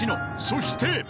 そして］